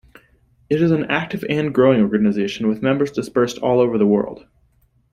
It is an active and growing organization, with members dispersed all over the world.